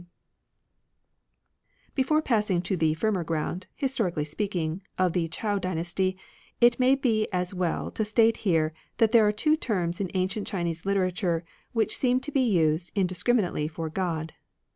d. Chinese Before passing to the firmer ground, Terms for historically speaking, of the Chou dynasty, it may be as well to state here that there are two terms in ancient Chinese literature which seem to be used in discriminately for God.